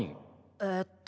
えっと。